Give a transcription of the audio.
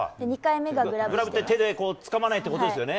グラブって手でつかまないってことですよね。